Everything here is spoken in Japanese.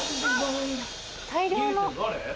大量の。